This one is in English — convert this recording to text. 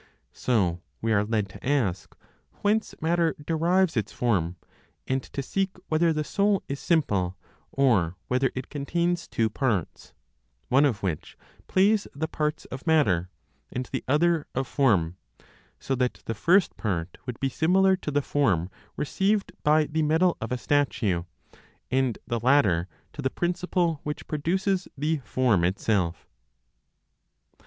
So we are led to ask whence matter derives its form, and to seek whether the soul is simple, or whether it contains two parts, one of which plays the parts of matter, and the other of form, so that the first part would be similar to the form received by the metal of a statue, and the latter to the principle which produces the form itself.